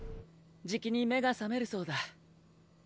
じきに目が覚めるそうだ。